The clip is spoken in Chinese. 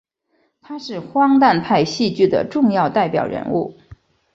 他是荒诞派戏剧的重要代表人物。